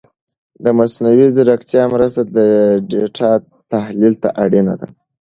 د مصنوعي ځیرکتیا مرسته د ډېټا تحلیل ته اړینه ده.